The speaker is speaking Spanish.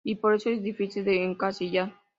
Y por eso es difícil de encasillar.